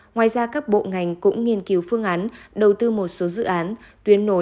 ngoài ra các bộ ngành cũng nghiên cứu phương án đầu tư một số dự án